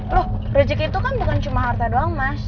loh rezeki itu kan bukan cuma harta doang mas